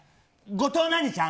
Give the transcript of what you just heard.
後藤何ちゃん？